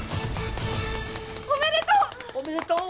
おめでとう！